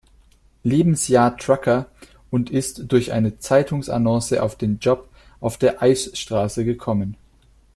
Lebensjahr Trucker und ist durch eine Zeitungsannonce auf den Job auf der Eisstraße gekommen.